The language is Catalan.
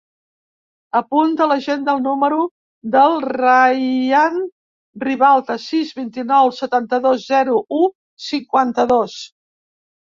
Apunta a l'agenda el número del Rayan Ribalta: sis, vint-i-nou, setanta-dos, zero, u, cinquanta-dos.